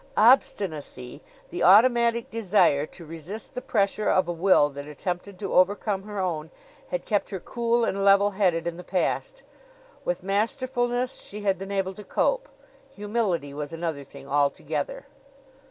Obstinacy, the automatic desire to resist the pressure of a will that attempted to overcome her own, had kept her cool and level headed in the past. With masterfulness she had been able to cope. Humility was another thing altogether.